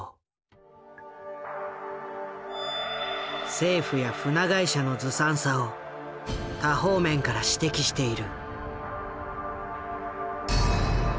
政府や船会社のずさんさを多方面から指摘している。